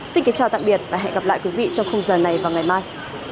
xin kính chào tạm biệt và hẹn gặp lại quý vị trong khung giờ này vào ngày mai